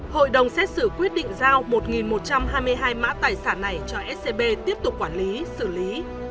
hội đồng xét xử quyết định giao một một trăm hai mươi hai mã tài sản này cho scb tiếp tục quản lý xử lý